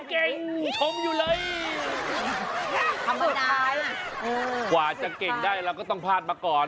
เก่งชมอยู่เลยสุดท้ายน่ะเออสุดท้ายกว่าจะเก่งได้เราก็ต้องพาดมาก่อน